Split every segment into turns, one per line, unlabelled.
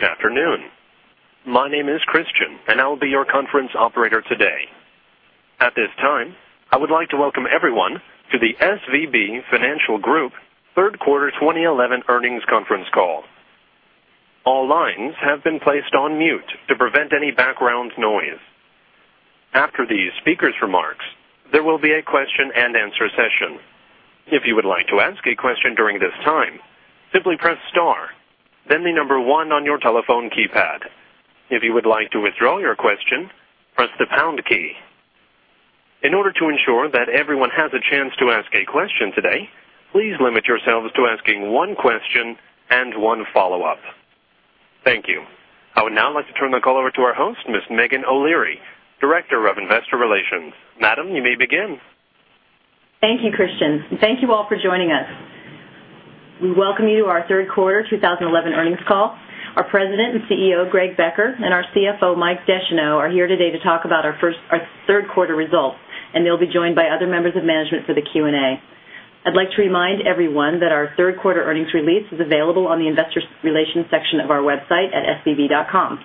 Good afternoon. My name is Christian, and I will be your conference operator today. At this time, I would like to welcome everyone to the SVB Financial Group Third Quarter 2011 Earnings Conference Call. All lines have been placed on mute to prevent any background noise. After these speakers' remarks, there will be a question-and answer-session. If you would like to ask a question during this time, simply press star, then the number one on your telephone keypad. If you would like to withdraw your question, press the pound key. In order to ensure that everyone has a chance to ask a question today, please limit yourselves to asking one question and one follow-up. Thank you. I would now like to turn the call over to our host, Ms. Meghan O'Leary, Director of Investor Relations. Madam, you may begin.
Thank you, Christian. Thank you all for joining us. We welcome you to our Third Quarter 2011 Earnings Call. Our President and CEO, Greg Becker, and our CFO, Mike Descheneaux, are here today to talk about our third quarter results, and they'll be joined by other members of management for the Q&A. I'd like to remind everyone that our Third Quarter Earnings Release is available on the Investor Relations section of our website at svb.com.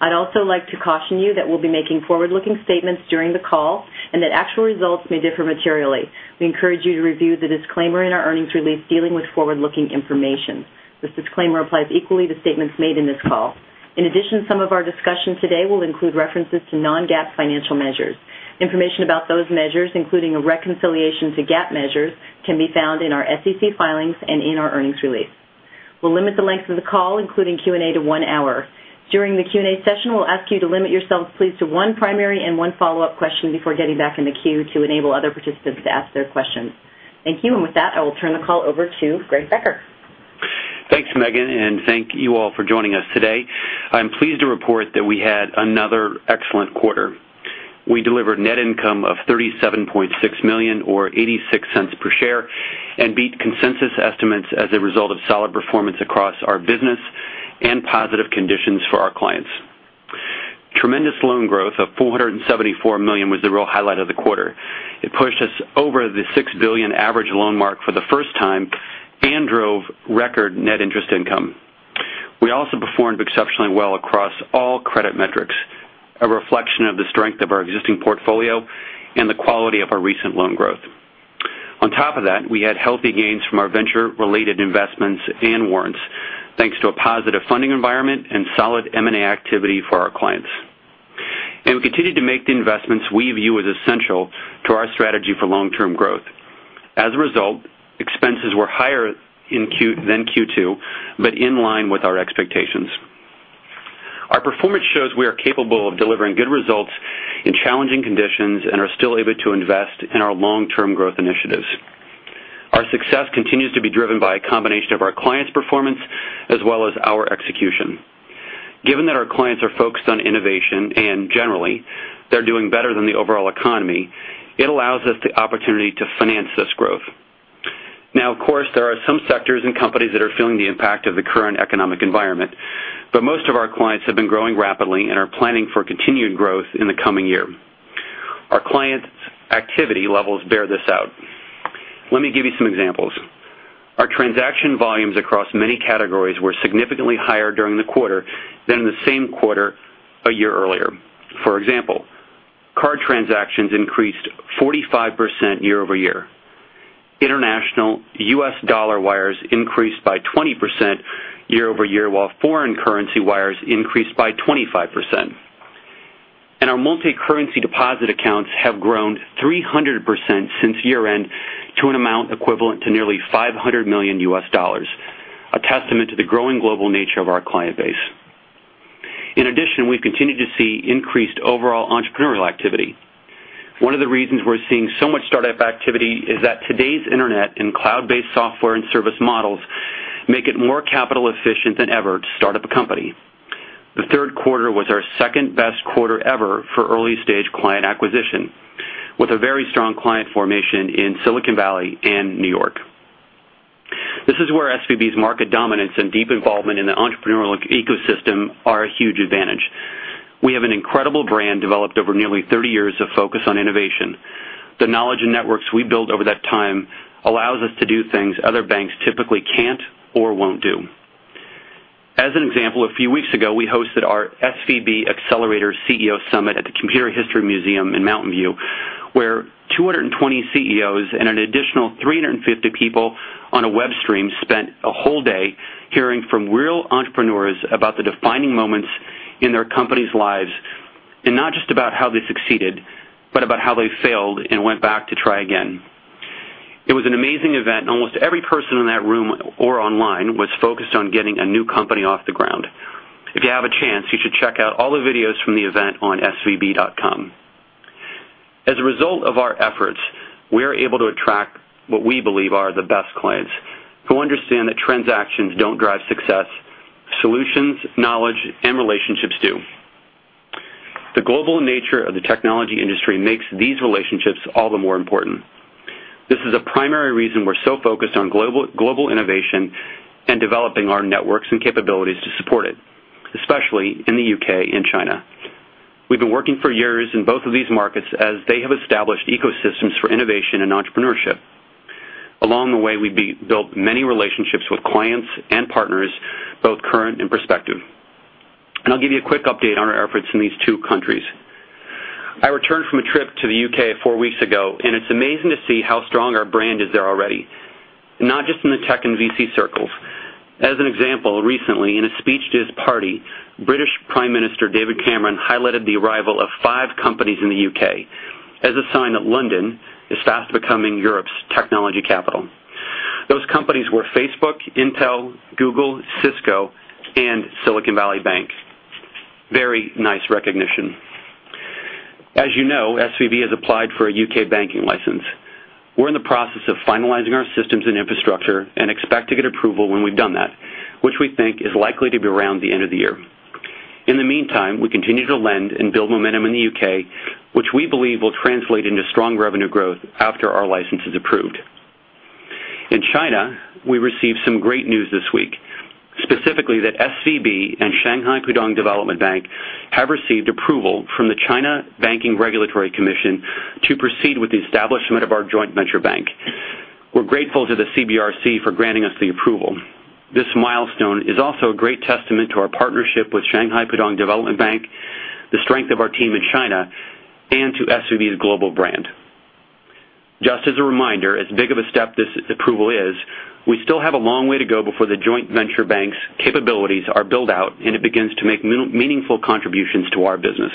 I'd also like to caution you that we'll be making forward-looking statements during the call and that actual results may differ materially. We encourage you to review the disclaimer in our Earnings Release dealing with forward-looking information. This disclaimer applies equally to statements made in this call. In addition, some of our discussion today will include references to non-GAAP financial measures. Information about those measures, including a reconciliation to GAAP measures, can be found in our SEC filings and in our Earnings Release. We'll limit the length of the call, including Q&A, to one hour. During the Q&A session, we'll ask you to limit yourselves, please, to one primary and one follow-up question before getting back into queue to enable other participants to ask their questions. Thank you, and with that, I will turn the call over to Greg Becker.
Thanks, Meghan, and thank you all for joining us today. I'm pleased to report that we had another excellent quarter. We delivered net income of $37.6 million or $0.86 per share and beat consensus estimates as a result of solid performance across our business and positive conditions for our clients. Tremendous loan growth of $474 million was the real highlight of the quarter. It pushed us over the $6 billion average loan mark for the first time and drove record net interest income. We also performed exceptionally well across all credit metrics, a reflection of the strength of our existing portfolio and the quality of our recent loan growth. On top of that, we had healthy gains from our venture-related investments and warrants, thanks to a positive funding environment and solid M&A activity for our clients. We continued to make the investments we view as essential to our strategy for long-term growth. As a result, expenses were higher than Q2, but in line with our expectations. Our performance shows we are capable of delivering good results in challenging conditions and are still able to invest in our long-term growth initiatives. Our success continues to be driven by a combination of our clients' performance as well as our execution. Given that our clients are focused on innovation and generally they're doing better than the overall economy, it allows us the opportunity to finance this growth. Of course, there are some sectors and companies that are feeling the impact of the current economic environment, but most of our clients have been growing rapidly and are planning for continued growth in the coming year. Our clients' activity levels bear this out. Let me give you some examples. Our transaction volumes across many categories were significantly higher during the quarter than in the same quarter a year earlier. For example, card transactions increased 45% year-over-year. International U.S. dollar wires increased by 20% year-over-year, while foreign currency wires increased by 25%. Our multi-currency deposit accounts have grown 300% since year-end to an amount equivalent to nearly $500 million, a testament to the growing global nature of our client base. In addition, we've continued to see increased overall entrepreneurial activity. One of the reasons we're seeing so much startup activity is that today's Internet and cloud-based software and service models make it more capital efficient than ever to start up a company. The third quarter was our second best quarter ever for early-stage client acquisition, with a very strong client formation in Silicon Valley and New York. This is where SVB's market dominance and deep involvement in the entrepreneurial ecosystem are a huge advantage. We have an incredible brand developed over nearly 30 years of focus on innovation. The knowledge and networks we built over that time allow us to do things other banks typically can't or won't do. For example, a few weeks ago, we hosted our SVB Accelerators CEO Summit at the Computer History Museum in Mountain View, where 220 CEOs and an additional 350 people on a web stream spent a whole day hearing from real entrepreneurs about the defining moments in their companies' lives, and not just about how they succeeded, but about how they failed and went back to try again. It was an amazing event, and almost every person in that room or online was focused on getting a new company off the ground. If you have a chance, you should check out all the videos from the event on svb.com. As a result of our efforts, we are able to attract what we believe are the best clients, who understand that transactions don't drive success; solutions, knowledge, and relationships do. The global nature of the technology industry makes these relationships all the more important. This is a primary reason we're so focused on global innovation and developing our networks and capabilities to support it, especially in the U.K. and China. We've been working for years in both of these markets as they have established ecosystems for innovation and entrepreneurship. Along the way, we built many relationships with clients and partners, both current and prospective. I'll give you a quick update on our efforts in these two countries. I returned from a trip to the U.K. four weeks ago, and it's amazing to see how strong our brand is there already, not just in the tech and VC circles. For example, recently, in a speech to his party, British Prime Minister David Cameron highlighted the arrival of five companies in the U.K. as a sign that London is fast becoming Europe's technology capital. Those companies were Facebook, Intel, Google, Cisco, and Silicon Valley Bank. Very nice recognition. As you know, SVB has applied for a U.K. banking license. We're in the process of finalizing our systems and infrastructure and expect to get approval when we've done that, which we think is likely to be around the end of the year. In the meantime, we continue to lend and build momentum in the U.K., which we believe will translate into strong revenue growth after our license is approved. In China, we received some great news this week, specifically that SVB and Shanghai Pudong Development Bank have received approval from the China Banking Regulatory Commission to proceed with the establishment of our joint venture bank. We're grateful to the CBRC for granting us the approval. This milestone is also a great testament to our partnership with Shanghai Pudong Development Bank, the strength of our team in China, and to SVB's global brand. Just as a reminder, as big of a step this approval is, we still have a long way to go before the joint venture bank's capabilities are built out and it begins to make meaningful contributions to our business.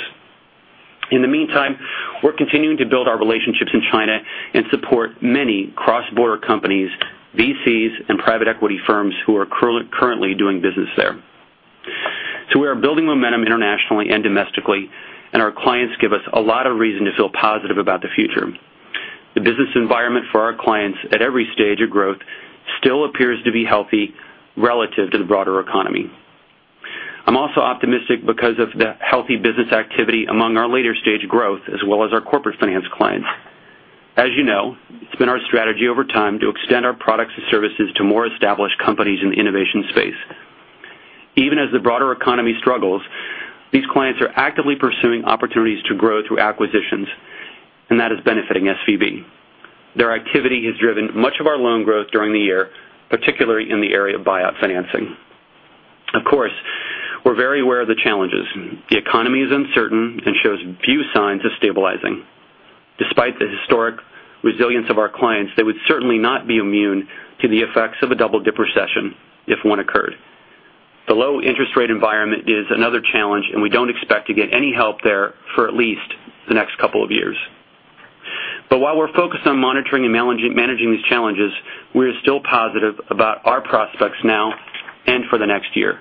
In the meantime, we're continuing to build our relationships in China and support many cross-border companies, VCs, and private equity firms who are currently doing business there. We are building momentum internationally and domestically, and our clients give us a lot of reason to feel positive about the future. The business environment for our clients at every stage of growth still appears to be healthy relative to the broader economy. I'm also optimistic because of the healthy business activity among our later stage growth as well as our corporate finance clients. As you know, it's been our strategy over time to extend our products and services to more established companies in the innovation space. Even as the broader economy struggles, these clients are actively pursuing opportunities to grow through acquisitions, and that is benefiting SVB. Their activity has driven much of our loan growth during the year, particularly in the area of buyout financing. Of course, we're very aware of the challenges. The economy is uncertain and shows few signs of stabilizing. Despite the historic resilience of our clients, they would certainly not be immune to the effects of a double-dip recession if one occurred. The low interest rate environment is another challenge, and we don't expect to get any help there for at least the next couple of years. While we're focused on monitoring and managing these challenges, we are still positive about our prospects now and for the next year.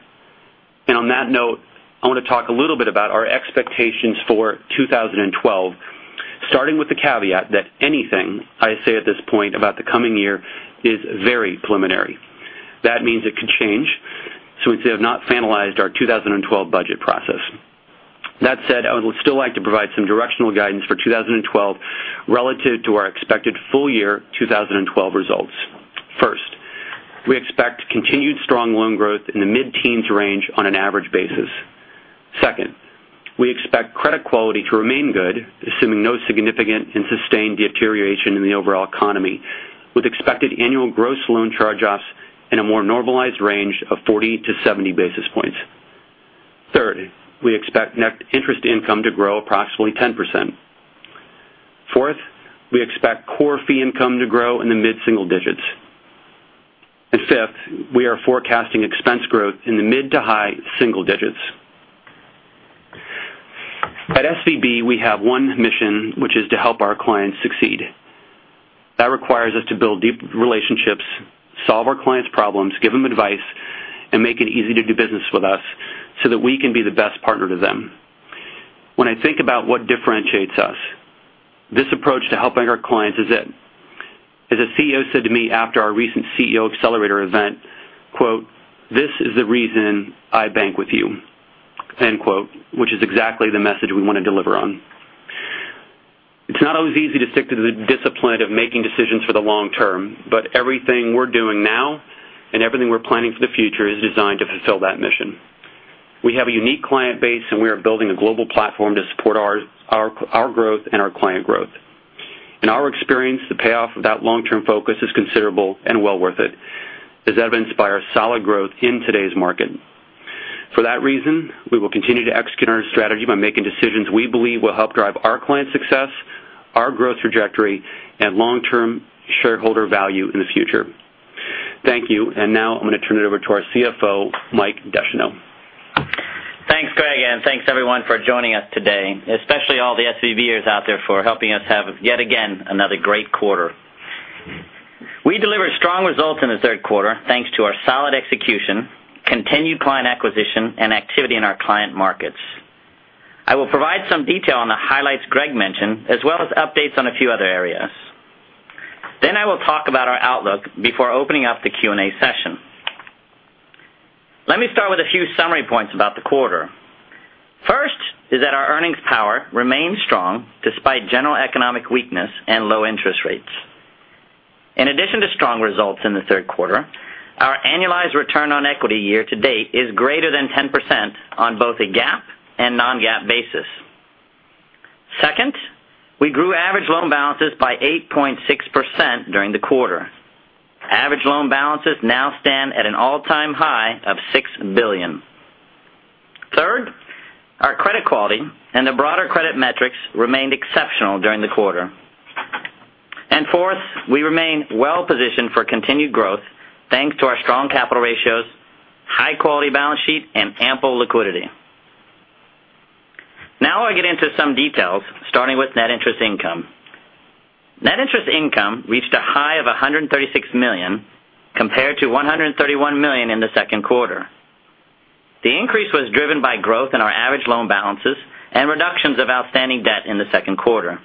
On that note, I want to talk a little bit about our expectations for 2012, starting with the caveat that anything I say at this point about the coming year is very preliminary. That means it could change, so we have not finalized our 2012 budget process. That said, I would still like to provide some directional guidance for 2012 relative to our expected full-year 2012 results. First, we expect continued strong loan growth in the mid-teens range on an average basis. Second, we expect credit quality to remain good, assuming no significant and sustained deterioration in the overall economy, with expected annual gross loan charge-offs in a more normalized range of 40 basis points-70 basis points. Third, we expect net interest income to grow approximately 10%. Fourth, we expect core fee income to grow in the mid-single digits. Fifth, we are forecasting expense growth in the mid to high-single digits. At SVB, we have one mission, which is to help our clients succeed. That requires us to build deep relationships, solve our clients' problems, give them advice, and make it easy to do business with us so that we can be the best partner to them. When I think about what differentiates us, this approach to helping our clients is it. As a CEO said to me after our recent CEO Accelerator event, "This is the reason I bank with you," which is exactly the message we want to deliver on. It's not always easy to stick to the discipline of making decisions for the long term, but everything we're doing now and everything we're planning for the future is designed to fulfill that mission. We have a unique client base, and we are building a global platform to support our growth and our client growth. In our experience, the payoff of that long-term focus is considerable and well worth it, as evidenced by our solid growth in today's market. For that reason, we will continue to execute our strategy by making decisions we believe will help drive our client's success, our growth trajectory, and long-term shareholder value in the future. Thank you, and now I'm going to turn it over to our CFO, Mike Descheneaux.
Thanks, Greg, and thanks, everyone, for joining us today, especially all the SVBers out there for helping us have yet again another great quarter. We delivered strong results in the third quarter, thanks to our solid execution, continued client acquisition, and activity in our client markets. I will provide some detail on the highlights Greg mentioned, as well as updates on a few other areas. I will talk about our outlook before opening up the Q&A session. Let me start with a few summary points about the quarter. First is that our earnings power remains strong despite general economic weakness and low interest rates. In addition to strong results in the third quarter, our annualized return on equity year to date is greater than 10% on both a GAAP and non-GAAP basis. Second, we grew average loan balances by 8.6% during the quarter. Average loan balances now stand at an all-time high of $6 billion. Third, our credit quality and the broader credit metrics remained exceptional during the quarter. Fourth, we remain well positioned for continued growth, thanks to our strong capital ratios, high quality balance sheet, and ample liquidity. Now I'll get into some details, starting with net interest income. Net interest income reached a high of $136 million, compared to $131 million in the second quarter. The increase was driven by growth in our average loan balances and reductions of outstanding debt in the second quarter.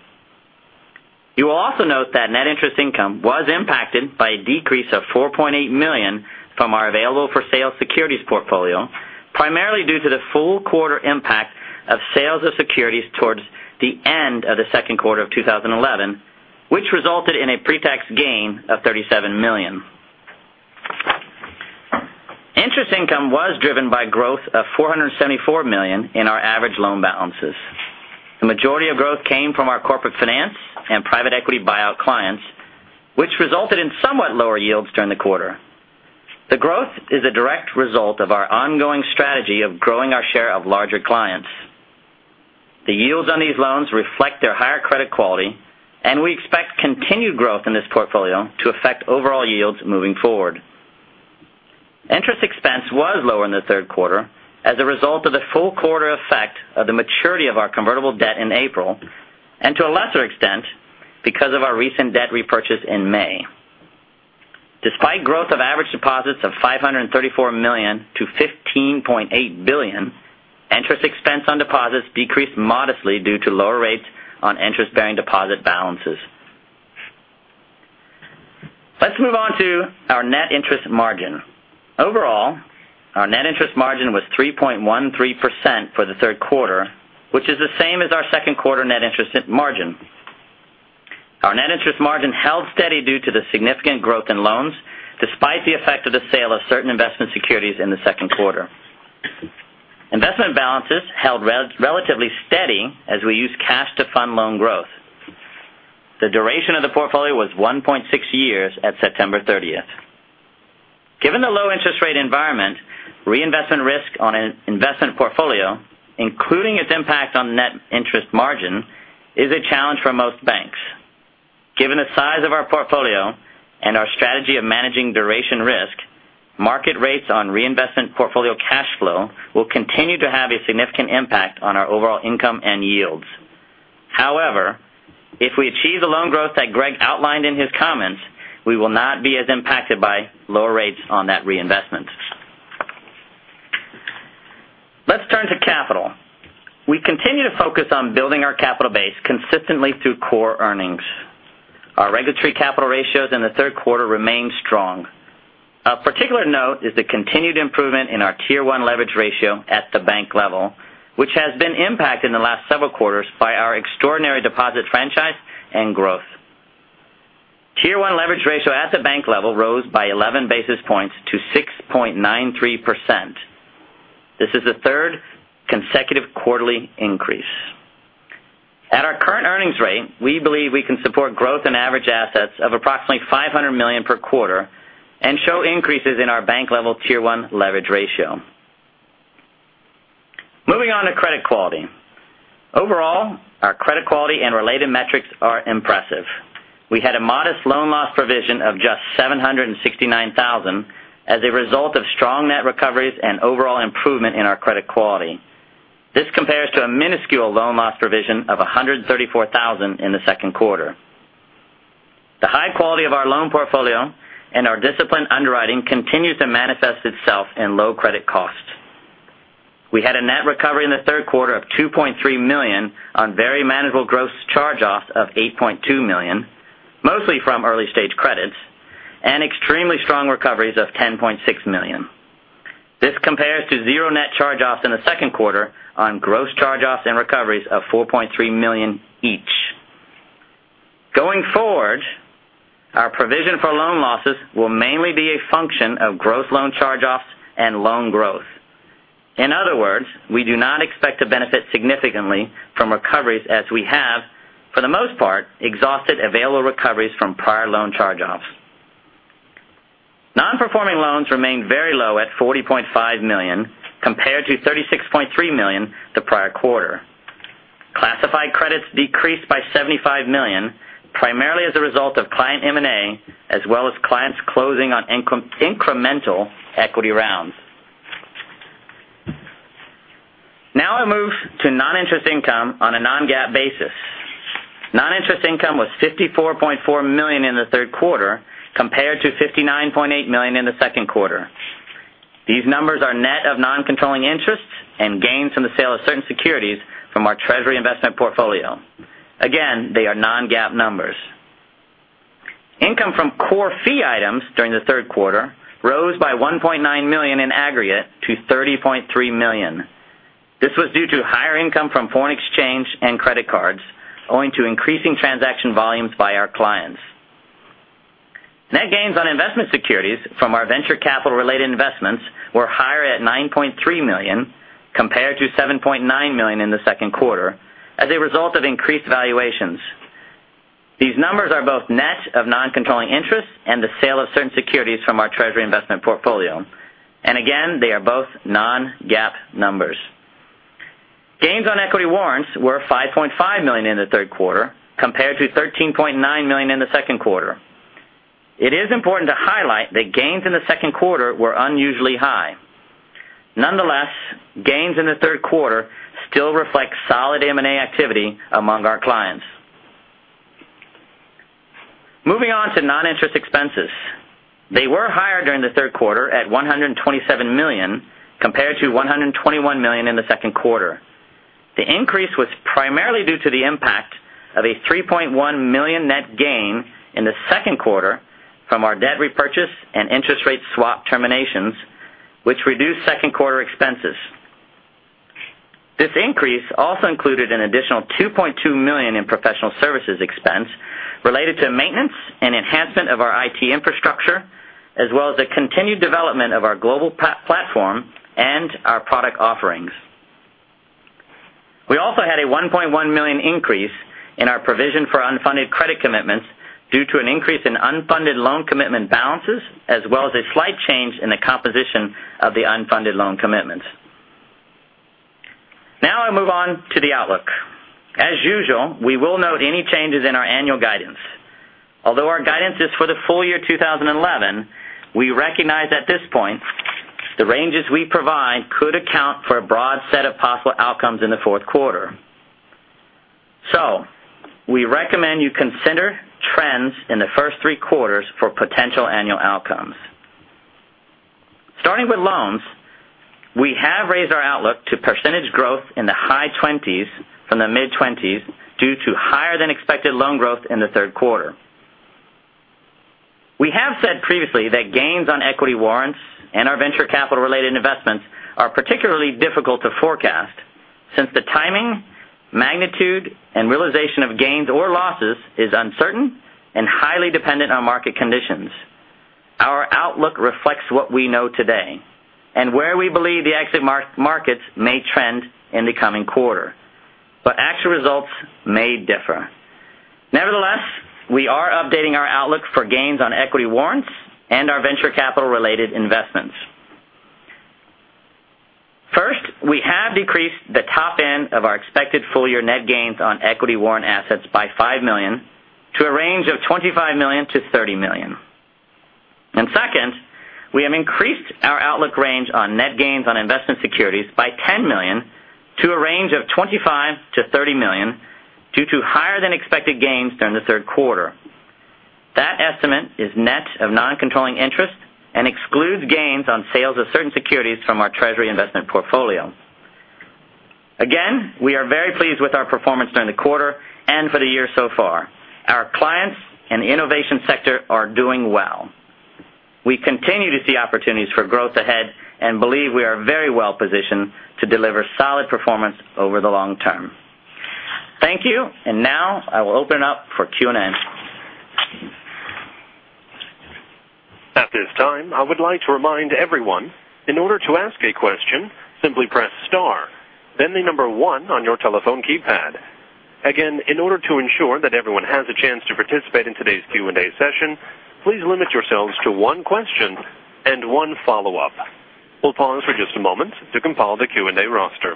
You will also note that net interest income was impacted by a decrease of $4.8 million from our available for sale securities portfolio, primarily due to the full quarter impact of sales of securities towards the end of the second quarter of 2011, which resulted in a pretax gain of $37 million. Interest income was driven by growth of $474 million in our average loan balances. The majority of growth came from our corporate finance and private equity buyout clients, which resulted in somewhat lower yields during the quarter. The growth is a direct result of our ongoing strategy of growing our share of larger clients. The yields on these loans reflect their higher credit quality, and we expect continued growth in this portfolio to affect overall yields moving forward. Interest expense was lower in the third quarter as a result of the full quarter effect of the maturity of our convertible debt in April, and to a lesser extent, because of our recent debt repurchase in May. Despite growth of average deposits of $534 million-$15.8 billion, interest expense on deposits decreased modestly due to lower rates on interest-bearing deposit balances. Let's move on to our net interest margin. Overall, our net interest margin was 3.13% for the third quarter, which is the same as our second quarter net interest margin. Our net interest margin held steady due to the significant growth in loans, despite the effect of the sale of certain investment securities in the second quarter. Investment balances held relatively steady as we used cash to fund loan growth. The duration of the portfolio was 1.6 years at September 30th. Given the low interest rate environment, reinvestment risk on an investment portfolio, including its impact on net interest margin, is a challenge for most banks. Given the size of our portfolio and our strategy of managing duration risk, market rates on reinvestment portfolio cash flow will continue to have a significant impact on our overall income and yields. However, if we achieve the loan growth that Greg outlined in his comments, we will not be as impacted by lower rates on that reinvestment. Let's turn to capital. We continue to focus on building our capital base consistently through core earnings. Our regulatory capital ratios in the third quarter remain strong. A particular note is the continued improvement in our tier 1 leverage ratio at the bank level, which has been impacted in the last several quarters by our extraordinary deposit franchise and growth. Tier 1 leverage ratio at the bank level rose by 11 basis points to 6.93%. This is the third consecutive quarterly increase. At our current earnings rate, we believe we can support growth in average assets of approximately $500 million per quarter and show increases in our bank level tier 1 leverage ratio. Moving on to credit quality. Overall, our credit quality and related metrics are impressive. We had a modest loan loss provision of just $769,000 as a result of strong net recoveries and overall improvement in our credit quality. This compares to a minuscule loan loss provision of $134,000 in the second quarter. The high quality of our loan portfolio and our disciplined underwriting continue to manifest itself in low credit costs. We had a net recovery in the third quarter of $2.3 million on very manageable gross charge-offs of $8.2 million, mostly from early-stage credits, and extremely strong recoveries of $10.6 million. This compares to zero net charge-offs in the second quarter on gross charge-offs and recoveries of $4.3 million each. Going forward, our provision for loan losses will mainly be a function of gross loan charge-offs and loan growth. In other words, we do not expect to benefit significantly from recoveries as we have, for the most part, exhausted available recoveries from prior loan charge-offs. Non-performing loans remained very low at $40.5 million, compared to $36.3 million the prior quarter. Classified credits decreased by $75 million, primarily as a result of client M&A, as well as clients closing on incremental equity rounds. Now I move to noninterest income on a non-GAAP basis. Noninterest income was $54.4 million in the third quarter, compared to $59.8 million in the second quarter. These numbers are net of non-controlling interests and gains from the sale of certain securities from our Treasury investment portfolio. Again, they are non-GAAP numbers. Income from core fee items during the third quarter rose by $1.9 million in aggregate to $30.3 million. This was due to higher income from foreign exchange and credit cards, owing to increasing transaction volumes by our clients. Net gains on investment securities from our venture capital-related investments were higher at $9.3 million, compared to $7.9 million in the second quarter, as a result of increased valuations. These numbers are both net of non-controlling interests and the sale of certain securities from our Treasury investment portfolio. Again, they are both non-GAAP numbers. Gains on equity warrants were $5.5 million in the third quarter, compared to $13.9 million in the second quarter. It is important to highlight that gains in the second quarter were unusually high. Nonetheless, gains in the third quarter still reflect solid M&A activity among our clients. Moving on to noninterest expenses. They were higher during the third quarter at $127 million, compared to $121 million in the second quarter. The increase was primarily due to the impact of a $3.1 million net gain in the second quarter from our debt repurchase and interest rate swap terminations, which reduced second quarter expenses. This increase also included an additional $2.2 million in professional services expense related to maintenance and enhancement of our IT infrastructure, as well as the continued development of our global platform and our product offerings. We also had a $1.1 million increase in our provision for unfunded credit commitments due to an increase in unfunded loan commitment balances, as well as a slight change in the composition of the unfunded loan commitments. Now I move on to the outlook. As usual, we will note any changes in our annual guidance. Although our guidance is for the full year 2011, we recognize at this point the ranges we provide could account for a broad set of possible outcomes in the fourth quarter. We recommend you consider trends in the first three quarters for potential annual outcomes. Starting with loans, we have raised our outlook to % growth in the high 20% from the mid-20% due to higher than expected loan growth in the third quarter. We have said previously that gains on equity warrants and our venture capital-related investments are particularly difficult to forecast since the timing, magnitude, and realization of gains or losses is uncertain and highly dependent on market conditions. Our outlook reflects what we know today and where we believe the exit markets may trend in the coming quarter, but actual results may differ. Nevertheless, we are updating our outlook for gains on equity warrants and our venture capital-related investments. First, we have decreased the top end of our expected full-year net gains on equity warrant assets by $5 million to a range of $25 million-$30 million. We have increased our outlook range on net gains on investment securities by $10 million to a range of $25 million-$30 million due to higher than expected gains during the third quarter. That estimate is net of non-controlling interest and excludes gains on sales of certain securities from our Treasury investment portfolio. We are very pleased with our performance during the quarter and for the year so far. Our clients and the innovation sector are doing well. We continue to see opportunities for growth ahead and believe we are very well positioned to deliver solid performance over the long term. Thank you, and now I will open it up for Q&A.
At this time, I would like to remind everyone, in order to ask a question, simply press star, then the number one on your telephone keypad. Again, in order to ensure that everyone has a chance to participate in today's Q&A session, please limit yourselves to one question and one follow-up. We'll pause for just a moment to compile the Q&A roster.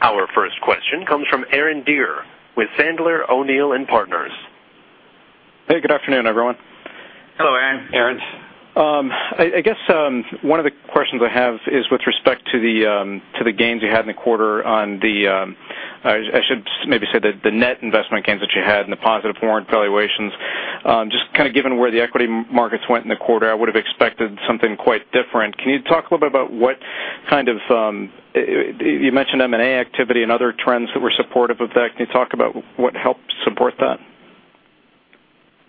Our first question comes from Aaron Deer with Sandler O'Neill and Partners.
Hey, good afternoon, everyone.
Hello, Aaron.
I guess one of the questions I have is with respect to the gains you had in the quarter on the, I should maybe say the net investment gains that you had and the positive warrant valuations. Just given where the equity markets went in the quarter, I would have expected something quite different. Can you talk a little bit about what kind of, you mentioned M&A activity and other trends that were supportive of that. Can you talk about what helped support that?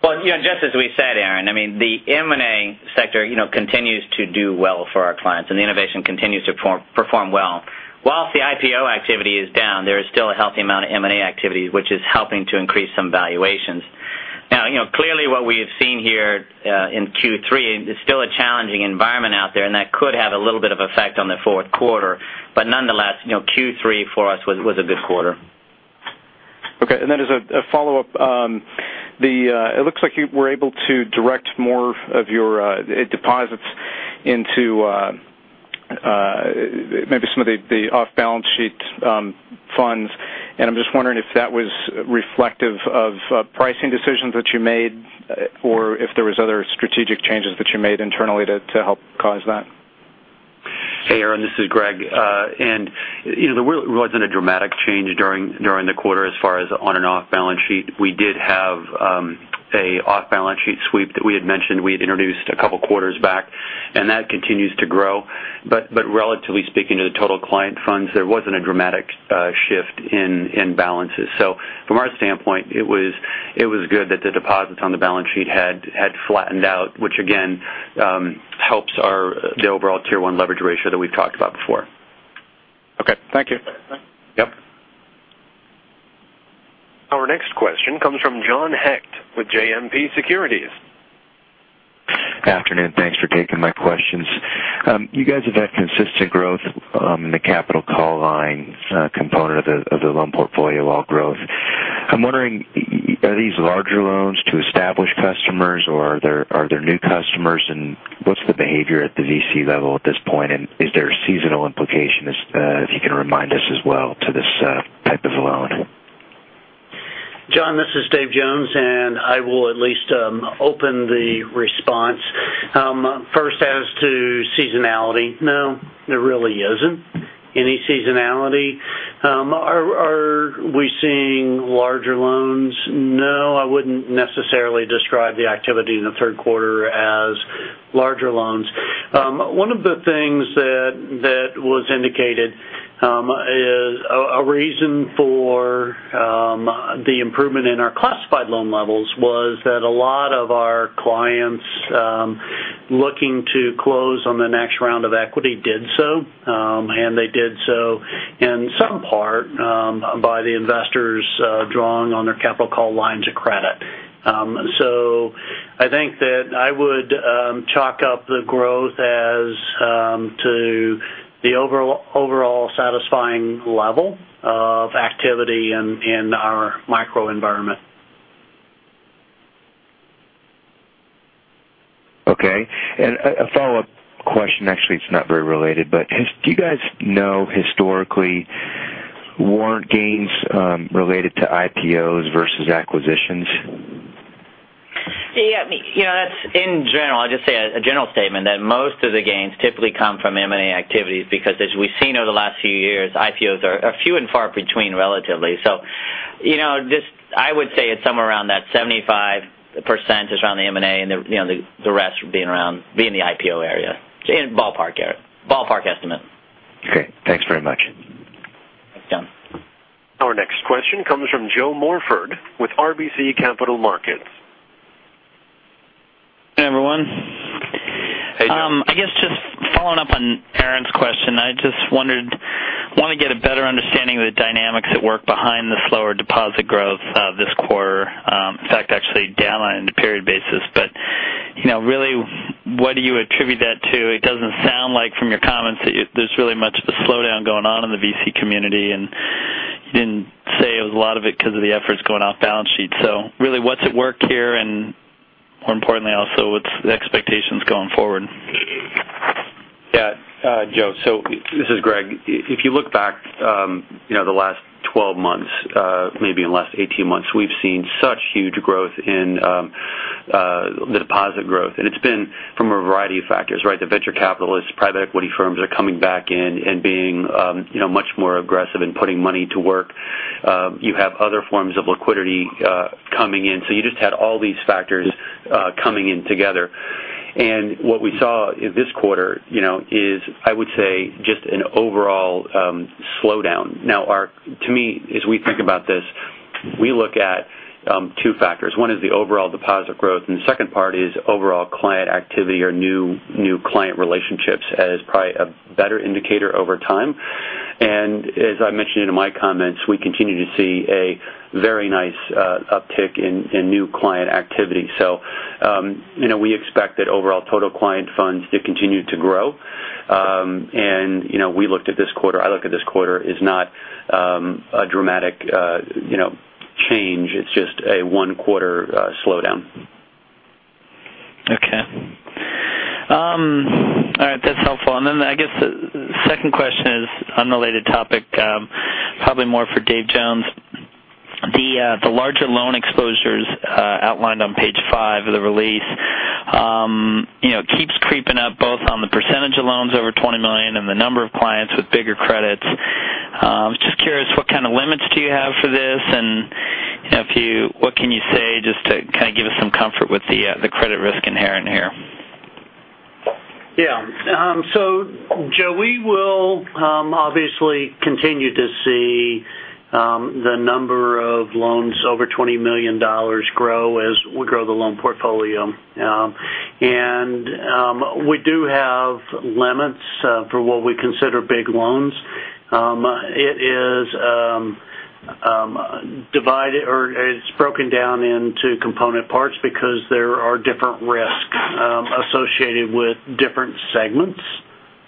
As we said, Aaron, the M&A sector continues to do well for our clients, and the innovation continues to perform well. Whilst the IPO activity is down, there is still a healthy amount of M&A activity, which is helping to increase some valuations. Now, clearly, what we've seen here in Q3 is still a challenging environment out there, and that could have a little bit of effect on the fourth quarter. Nonetheless, Q3 for us was a good quarter.
Okay, as a follow-up, it looks like you were able to direct more of your deposits into maybe some of the off-balance sheet funds. I'm just wondering if that was reflective of pricing decisions that you made, or if there were other strategic changes that you made internally to help cause that.
Hey, Aaron, this is Greg. There really wasn't a dramatic change during the quarter as far as on and off balance sheet. We did have an off-balance sheet sweep that we had mentioned we had introduced a couple of quarters back, and that continues to grow. Relatively speaking to the total client funds, there wasn't a dramatic shift in balances. From our standpoint, it was good that the deposits on the balance sheet had flattened out, which again helps the overall tier one leverage ratio that we've talked about before.
Okay, thank you.
Our next question comes from John Hecht with JMP Securities.
Afternoon, thanks for taking my questions. You guys have had consistent growth in the capital call line component of the loan portfolio while growth. I'm wondering, are these larger loans to established customers or are there new customers? What's the behavior at the VC level at this point? Is there a seasonal implication, if you can remind us as well, to this type of loan?
John, this is Dave Jones, and I will at least open the response. First, as to seasonality, no, there really isn't any seasonality. Are we seeing larger loans? No, I wouldn't necessarily describe the activity in the third quarter as larger loans. One of the things that was indicated as a reason for the improvement in our classified loan levels was that a lot of our clients looking to close on the next round of equity did so, and they did so in some part by the investors drawing on their capital call lines of credit. I think that I would chalk up the growth as to the overall satisfying level of activity in our micro environment.
Okay, a follow-up question, actually, it's not very related, but do you guys know historically warrant gains related to IPOs versus acquisitions?
Yeah, that's in general, I'll just say a general statement that most of the gains typically come from M&A activities because as we've seen over the last few years, IPOs are few and far between relatively. I would say it's somewhere around that 75% is around the M&A and the rest being around the IPO area, ballpark estimate.
Great, thanks very much.
Thanks, John.
Our next question comes from Joe Morford with RBC Capital Markets.
Hey, everyone.
Hey, Joe.
I guess just following up on Aaron's question, I just wanted to get a better understanding of the dynamics at work behind the slower deposit growth this quarter. In fact, actually down on a period basis. You know, really, what do you attribute that to? It doesn't sound like from your comments that there's really much of a slowdown going on in the VC community, and you didn't say it was a lot of it because of the efforts going off balance sheet. Really, what's at work here and more importantly also, what's the expectations going forward?
Yeah, Joe, this is Greg. If you look back, you know, the last 12 months, maybe in the last 18 months, we've seen such huge growth in the deposit growth, and it's been from a variety of factors, right? The venture capitalists, private equity firms are coming back in and being, you know, much more aggressive in putting money to work. You have other forms of liquidity coming in. You just had all these factors coming in together. What we saw this quarter, you know, is I would say just an overall slowdown. To me, as we think about this, we look at two factors. One is the overall deposit growth, and the second part is overall client activity or new client relationships as probably a better indicator over time. As I mentioned in my comments, we continue to see a very nice uptick in new client activity. We expect that overall total client funds to continue to grow. We looked at this quarter, I looked at this quarter, as not a dramatic, you know, change. It's just a one-quarter slowdown.
Okay. All right, that's helpful. I guess the second question is an unrelated topic, probably more for Dave Jones. The larger loan exposures outlined on page five of the release, you know, it keeps creeping up both on the percentage of loans over $20 million and the number of clients with bigger credits. I was just curious, what kind of limits do you have for this? What can you say just to kind of give us some comfort with the credit risk inherent here?
Yeah, Joe, we will obviously continue to see the number of loans over $20 million grow as we grow the loan portfolio. We do have limits for what we consider big loans. It is divided or it's broken down into component parts because there are different risks associated with different segments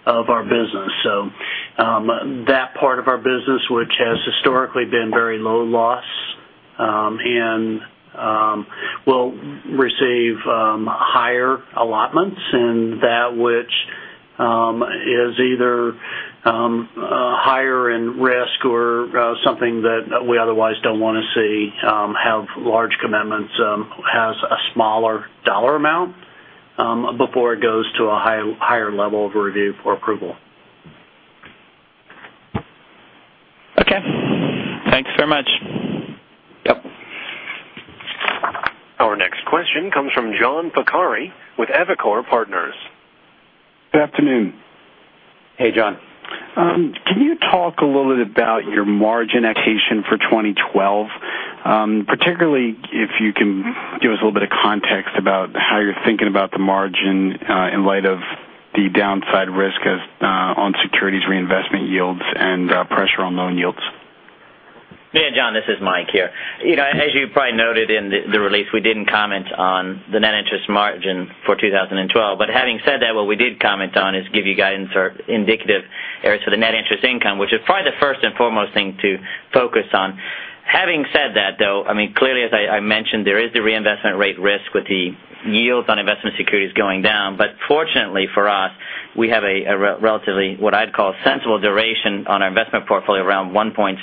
of our business. That part of our business, which has historically been very low loss, will receive higher allotments, and that which is either higher in risk or something that we otherwise don't want to see have large commitments has a smaller dollar amount before it goes to a higher level of review for approval.
Okay, thanks very much.
Our next question comes from John Pancari with Evercore Partners.
Good afternoon.
Hey, John.
Can you talk a little bit about your margin expectation for 2012, particularly if you can give us a little bit of context about how you're thinking about the margin in light of the downside risk on securities reinvestment yields and pressure on loan yields?
Yeah, John, this is Mike here. As you probably noted in the release, we didn't comment on the net interest margin for 2012. Having said that, what we did comment on is give you guidance or indicative areas for the net interest income, which is probably the first and foremost thing to focus on. Having said that, though, clearly, as I mentioned, there is the reinvestment rate risk with the yield on investment securities going down. Fortunately for us, we have a relatively, what I'd call sensible duration on our investment portfolio around 1.6.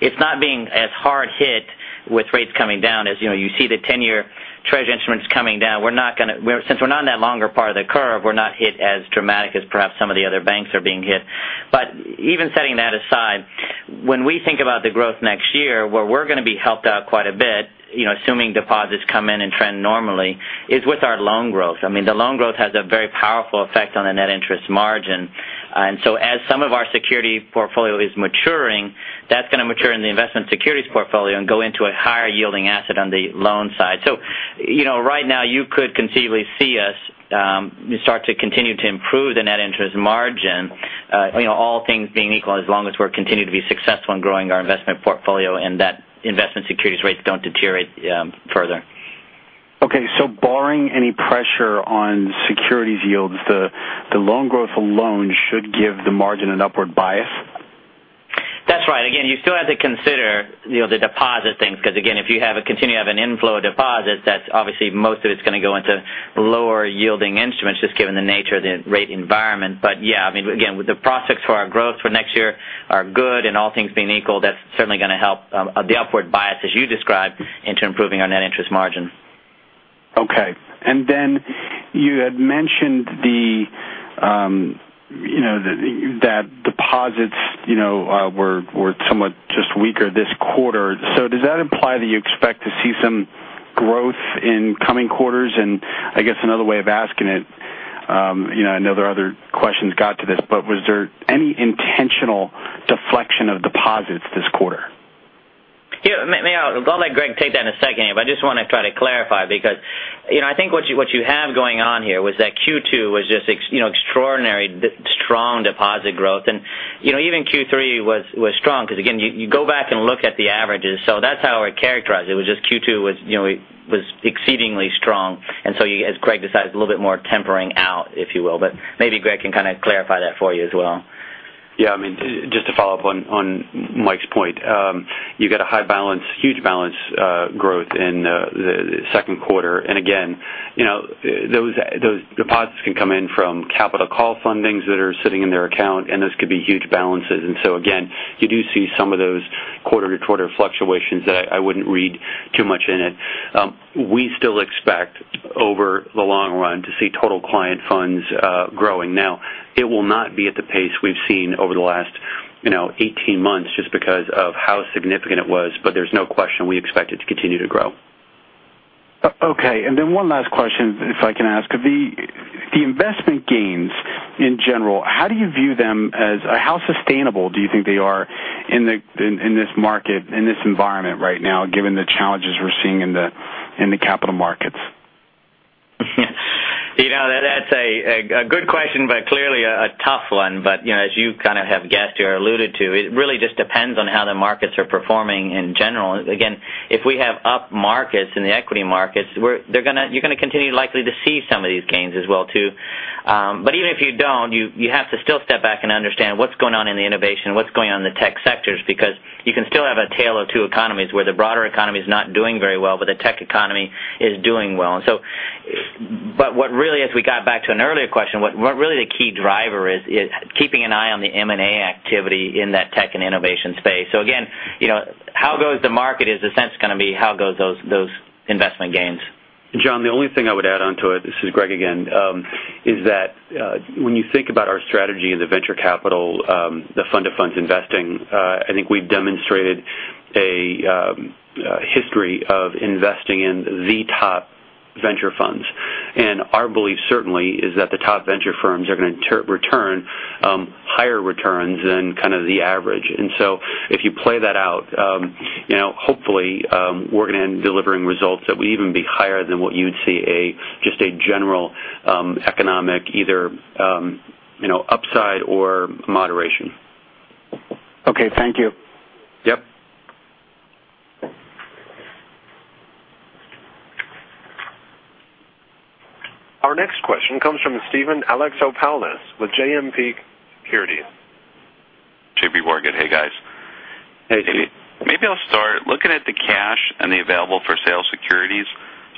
It's not being as hard hit with rates coming down as, you know, you see the 10-year Treasury instruments coming down. We're not going to, since we're not in that longer part of the curve, we're not hit as dramatic as perhaps some of the other banks are being hit. Even setting that aside, when we think about the growth next year, where we're going to be helped out quite a bit, assuming deposits come in and trend normally, is with our loan growth. The loan growth has a very powerful effect on the net interest margin. As some of our security portfolio is maturing, that's going to mature in the investment securities portfolio and go into a higher yielding asset on the loan side. Right now, you could conceivably see us start to continue to improve the net interest margin, all things being equal, as long as we're continuing to be successful in growing our investment portfolio and that investment securities rates don't deteriorate further.
Okay, barring any pressure on securities yields, the loan growth alone should give the margin an upward bias?
That's right. You still have to consider the deposit things, because if you have a continuing inflow of deposits, most of it is going to go into lower yielding instruments, just given the nature of the rate environment. The prospects for our growth for next year are good, and all things being equal, that's certainly going to help the upward bias as you described into improving our net interest margin.
Okay, you had mentioned that deposits were somewhat just weaker this quarter. Does that imply that you expect to see some growth in coming quarters? I guess another way of asking it, I know there are other questions that got to this, but was there any intentional deflection of deposits this quarter?
Yeah, maybe I'll let Greg take that in a second here, but I just want to try to clarify because I think what you have going on here was that Q2 was just extraordinary, strong deposit growth. Even Q3 was strong because, again, you go back and look at the averages. That's how we're characterized. It was just Q2 was exceedingly strong. As Greg decides, a little bit more tempering out, if you will. Maybe Greg can kind of clarify that for you as well.
Yeah, I mean, just to follow up on Mike's point, you got a high balance, huge balance growth in the second quarter. You know, those deposits can come in from capital call fundings that are sitting in their account, and those could be huge balances. You do see some of those quarter-to-quarter fluctuations that I wouldn't read too much in it. We still expect, over the long run, to see total client funds growing. It will not be at the pace we've seen over the last, you know, 18 months, just because of how significant it was. There's no question we expect it to continue to grow.
Okay, one last question, if I can ask. The investment gains in general, how do you view them as, or how sustainable do you think they are in this market, in this environment right now, given the challenges we're seeing in the capital markets?
That's a good question, but clearly a tough one. As you kind of have guessed or alluded to, it really just depends on how the markets are performing in general. Again, if we have up markets in the equity markets, you're going to continue likely to see some of these gains as well, too. Even if you don't, you have to still step back and understand what's going on in the innovation, what's going on in the tech sectors, because you can still have a tale of two economies where the broader economy is not doing very well, but the tech economy is doing well. What really, as we got back to an earlier question, the key driver is keeping an eye on the M&A activity in that tech and innovation space. Again, how goes the market is the sense going to be how goes those investment gains.
John, the only thing I would add on to it, this is Greg again, is that when you think about our strategy in the venture capital, the fund of funds investing, I think we've demonstrated a history of investing in the top venture funds. Our belief certainly is that the top venture firms are going to return higher returns than kind of the average. If you play that out, you know, hopefully we're going to end delivering results that would even be higher than what you'd see just a general economic either upside or moderation.
Okay, thank you.
Yep.
Our next question comes from Steven Alexopoulos with JPMorgan.
JPMorgan, hey guys.
Hey.
Maybe I'll start. Looking at the cash and the available for sale securities,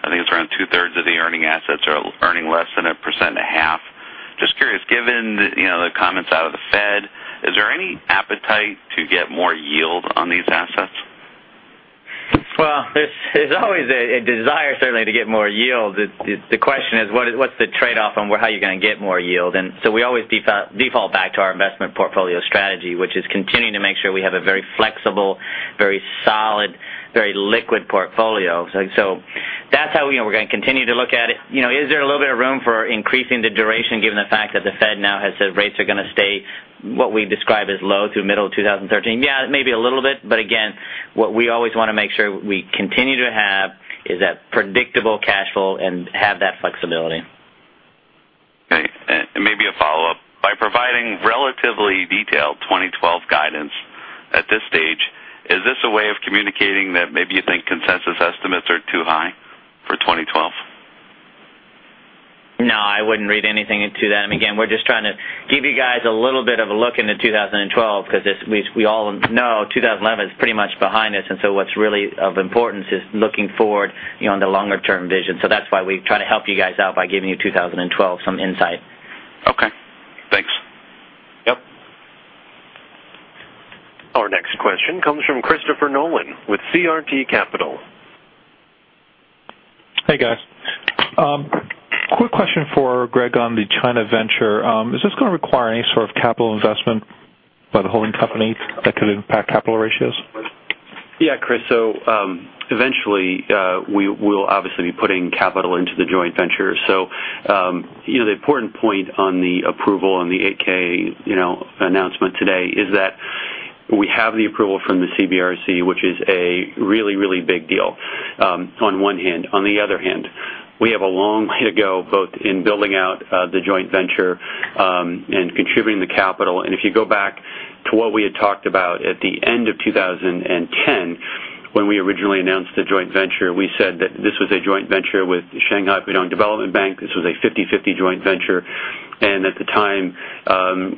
I think it's around two-thirds of the earning assets are earning less than 1.5%. Just curious, given the comments out of the Fed, is there any appetite to get more yield on these assets?
There is always a desire certainly to get more yield. The question is, what's the trade-off on how you're going to get more yield? We always default back to our investment portfolio strategy, which is continuing to make sure we have a very flexible, very solid, very liquid portfolio. That's how we're going to continue to look at it. You know, is there a little bit of room for increasing the duration given the fact that the Fed now has said rates are going to stay what we describe as low through the middle of 2013? Yeah, maybe a little bit. What we always want to make sure we continue to have is that predictable cash flow and have that flexibility.
By providing relatively detailed 2012 guidance at this stage, is this a way of communicating that maybe you think consensus estimates are too high for 2012?
No, I wouldn't read anything to that. We're just trying to give you guys a little bit of a look into 2012 because we all know 2011 is pretty much behind us. What's really of importance is looking forward on the longer-term vision. That's why we try to help you guys out by giving you 2012 some insight.
Okay, thanks.
Yep.
Our next question comes from Christopher Nolan with CRT Capital.
Hey guys, quick question for Greg on the China venture. Is this going to require any sort of capital investment by the holding companies that could impact capital ratios?
Yeah, Chris, eventually we will obviously be putting capital into the joint venture. The important point on the approval on the 8-K announcement today is that we have the approval from the CBRC, which is a really, really big deal on one hand. On the other hand, we have a long way to go both in building out the joint venture and contributing the capital. If you go back to what we had talked about at the end of 2010, when we originally announced the joint venture, we said that this was a joint venture with Shanghai Pudong Development Bank. This was a 50/50 joint venture. At the time,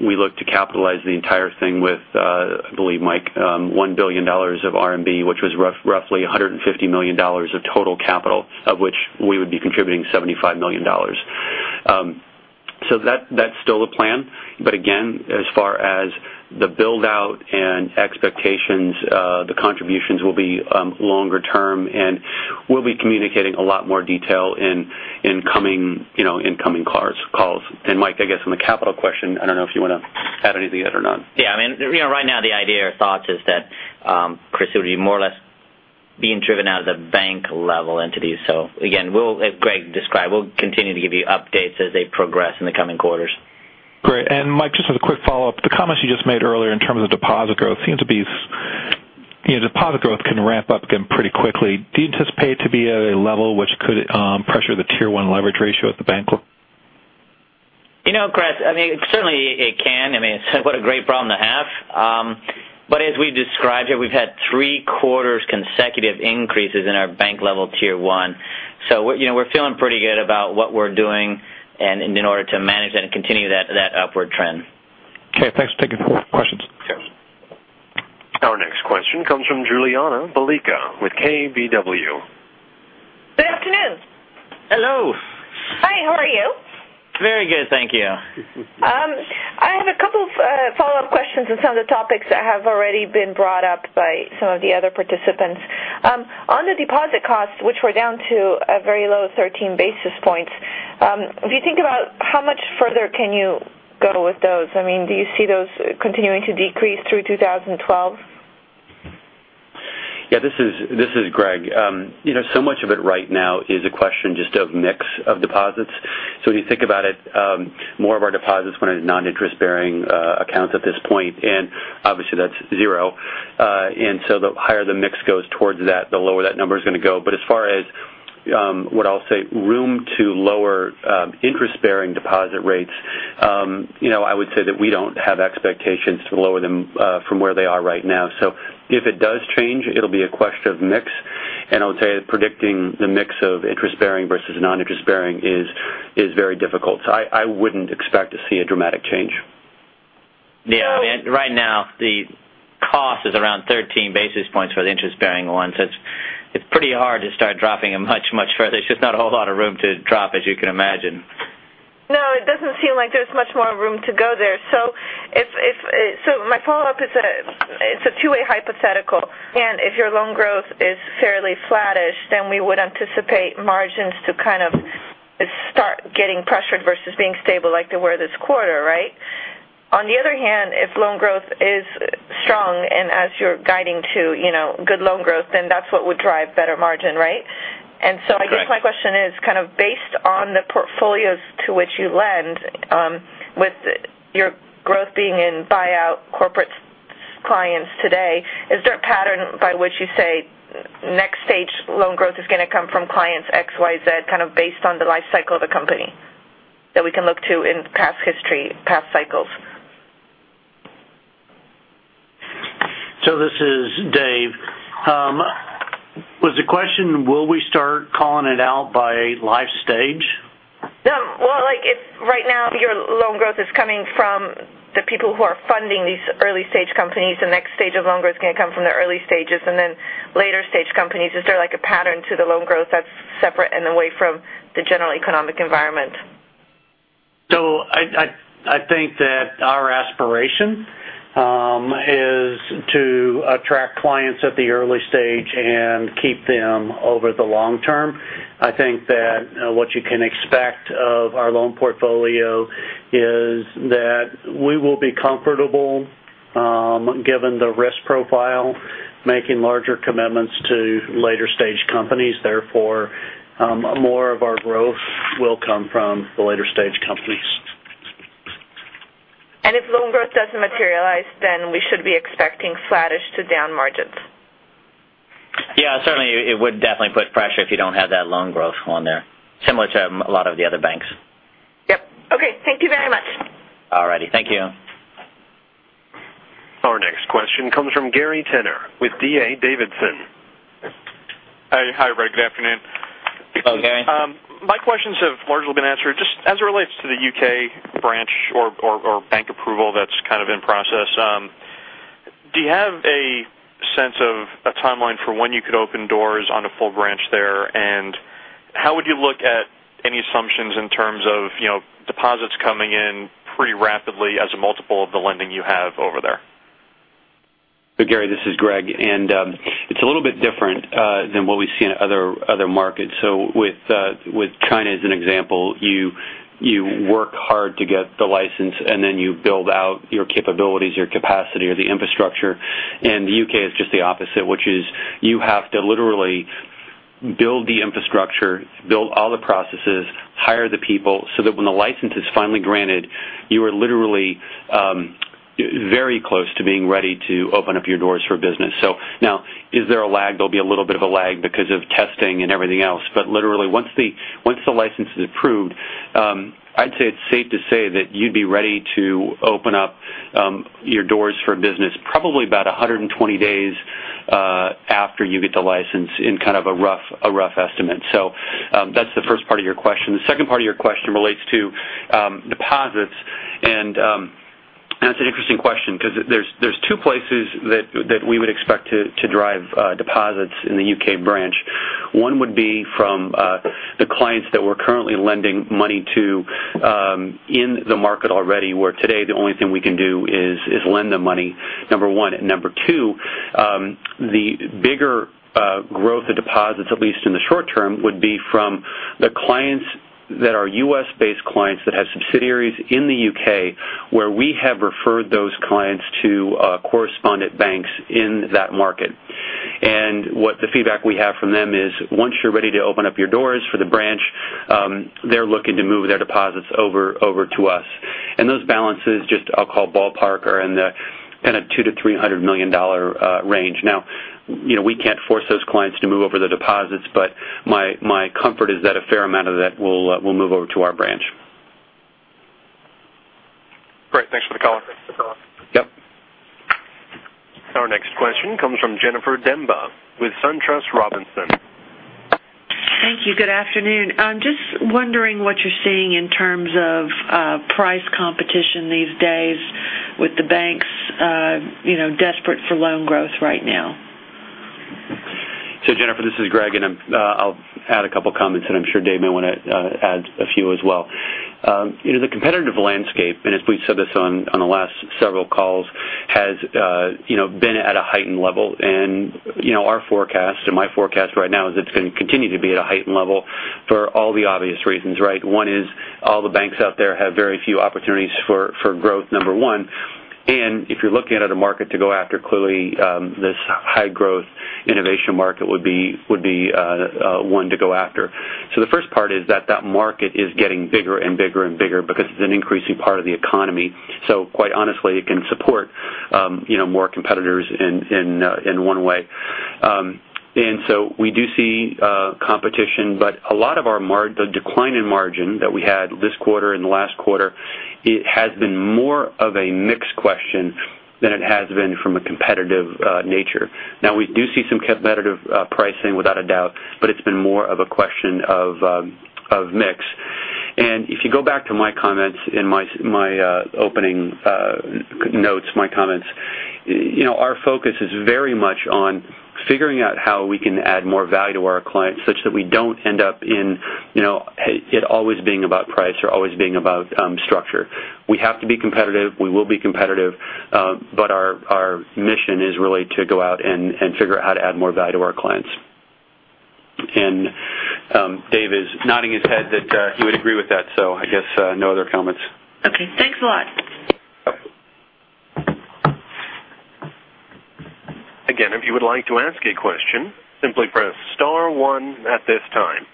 we looked to capitalize the entire thing with, I believe, Mike, 1 billion RMB, which was roughly $150 million of total capital, of which we would be contributing $75 million. That's still the plan. As far as the build-out and expectations, the contributions will be longer term and we'll be communicating a lot more detail in coming calls. Mike, I guess on the capital question, I don't know if you want to add anything to that or not.
Yeah, I mean, right now the idea or thoughts is that, Chris, it would be more or less being driven out of the bank level entities. Again, as Greg described, we'll continue to give you updates as they progress in the coming quarters.
Great, Mike just has a quick follow-up. The comments you just made earlier in terms of deposit growth seem to be, you know, deposit growth can ramp up again pretty quickly. Do you anticipate it to be at a level which could pressure the tier one leverage ratio at the bank level?
You know, Chris, it certainly can. It's what a great problem to have. As we described here, we've had three consecutive quarters of increases in our bank-level tier one. We're feeling pretty good about what we're doing in order to manage that and continue that upward trend.
Okay, thanks for taking the full questions.
Our next question comes from Juliana Balicka with KBW.
Good afternoon.
Hello.
Hi, how are you?
Very good, thank you.
I have a couple of follow-up questions on some of the topics that have already been brought up by some of the other participants. On the deposit costs, which were down to a very low 13 basis points, if you think about how much further can you go with those? I mean, do you see those continuing to decrease through 2012?
Yeah, this is Greg. You know, so much of it right now is a question just of mix of deposits. When you think about it, more of our deposits went into noninterest bearing accounts at this point, and obviously that's zero. The higher the mix goes towards that, the lower that number is going to go. As far as what I'll say, room to lower interest bearing deposit rates, you know, I would say that we don't have expectations to lower them from where they are right now. If it does change, it'll be a question of mix. I would say predicting the mix of interest bearing versus noninterest bearing is very difficult. I wouldn't expect to see a dramatic change.
Right now the cost is around 13 basis points for the interest bearing one. It's pretty hard to start dropping it much, much further. There's just not a whole lot of room to drop, as you can imagine.
No, it doesn't seem like there's much more room to go there. My follow-up is that it's a two-way hypothetical. If your loan growth is fairly flattish, then we would anticipate margins to start getting pressured versus being stable like they were this quarter, right? On the other hand, if loan growth is strong and as you're guiding to, you know, good loan growth, then that's what would drive better margin, right? I guess my question is kind of based on the portfolios to which you lend, with your growth being in buyout corporate clients today, is there a pattern by which you say next stage loan growth is going to come from clients X, Y, Z, kind of based on the life cycle of the company that we can look to in past history, past cycles?
This is Dave. Was the question, will we start calling it out by life stage?
Yeah, if right now your loan growth is coming from the people who are funding these early stage companies, the next stage of loan growth is going to come from the early stages and then later stage companies. Is there a pattern to the loan growth that's separate and away from the general economic environment?
I think that our aspiration is to attract clients at the early stage and keep them over the long term. I think that what you can expect of our loan portfolio is that we will be comfortable, given the risk profile, making larger commitments to later stage companies. Therefore, more of our growth will come from the later stage companies.
If loan growth doesn't materialize, we should be expecting flattish to down margins.
Yeah, certainly, it would definitely put pressure if you don't have that loan growth on there, similar to a lot of the other banks.
Yep, okay. Thank you very much.
All right, thank you.
Our next question comes from Gary Tenner with D.A. Davidson.
Hi Greg, good afternoon.
Hello, Gary.
My questions have largely been answered just as it relates to the U.K. branch or bank approval that's kind of in process. Do you have a sense of a timeline for when you could open doors on a full branch there? How would you look at any assumptions in terms of, you know, deposits coming in pretty rapidly as a multiple of the lending you have over there?
Gary, this is Greg. It's a little bit different than what we see in other markets. With China as an example, you work hard to get the license and then you build out your capabilities, your capacity, or the infrastructure. The U.K. is just the opposite, which is you have to literally build the infrastructure, build all the processes, hire the people so that when the license is finally granted, you are literally very close to being ready to open up your doors for business. Is there a lag? There'll be a little bit of a lag because of testing and everything else. Literally, once the license is approved, I'd say it's safe to say that you'd be ready to open up your doors for business probably about 120 days after you get the license in kind of a rough estimate. That's the first part of your question. The second part of your question relates to deposits. That's an interesting question because there are two places that we would expect to drive deposits in the U.K. branch. One would be from the clients that we're currently lending money to in the market already, where today the only thing we can do is lend them money, number one. Number two, the bigger growth of deposits, at least in the short term, would be from the clients that are U.S.-based clients that have subsidiaries in the U.K., where we have referred those clients to correspondent banks in that market. The feedback we have from them is once you're ready to open up your doors for the branch, they're looking to move their deposits over to us. Those balances, just I'll call ballpark, are in the kind of $200 million-$300 million range. We can't force those clients to move over the deposits, but my comfort is that a fair amount of that will move over to our branch.
Great, thanks for the call.
Our next question comes from Jennifer Demba with Truist Securities.
Thank you, good afternoon. I'm just wondering what you're seeing in terms of price competition these days with the banks, you know, desperate for loan growth right now.
Jennifer, this is Greg, and I'll add a couple of comments. I'm sure Dave may want to add a few as well. The competitive landscape, as we said on the last several calls, has been at a heightened level. My forecast right now is it's going to continue to be at a heightened level for all the obvious reasons, right? One is all the banks out there have very few opportunities for growth, number one. If you're looking at a market to go after, clearly this high growth innovation market would be one to go after. The first part is that market is getting bigger and bigger and bigger because it's an increasing part of the economy. Quite honestly, it can support more competitors in one way. We do see competition, but a lot of the decline in margin that we had this quarter and the last quarter has been more of a mix question than it has been from a competitive nature. We do see some competitive pricing without a doubt, but it's been more of a question of mix. If you go back to my comments in my opening notes, my comments, our focus is very much on figuring out how we can add more value to our clients such that we don't end up in it always being about price or always being about structure. We have to be competitive, we will be competitive, but our mission is really to go out and figure out how to add more value to our clients. Dave is nodding his head that he would agree with that. I guess no other comments.
Okay, thanks a lot.
Again, if you would like to ask a question, simply press star one at this time.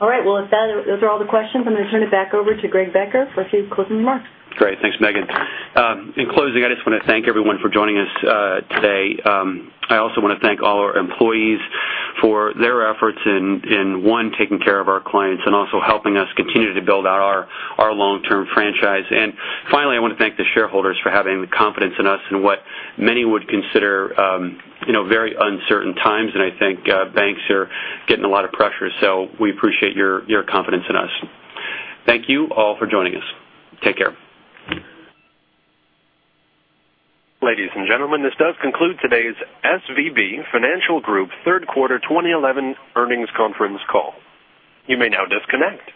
All right, if those are all the questions, I'm going to turn it back over to Greg Becker for a few closing remarks.
Great, thanks, Meghan. In closing, I just want to thank everyone for joining us today. I also want to thank all our employees for their efforts in, one, taking care of our clients and also helping us continue to build out our long-term franchise. Finally, I want to thank the shareholders for having confidence in us in what many would consider, you know, very uncertain times. I think banks are getting a lot of pressure. We appreciate your confidence in us. Thank you all for joining us. Take care.
Ladies and gentlemen, this does conclude today's SVB Financial Group Third Quarter 2011 Earnings Conference Call. You may now disconnect.